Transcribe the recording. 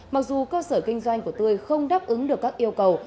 mặc dù cơ sở kinh doanh của tươi không đáp ứng được các yêu cầu